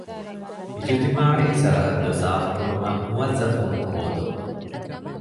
އިޖުތިމާޢީ ސަރަހައްދު ސާފުކުރުމަށް މުވައްޒަފުން ހޯދުން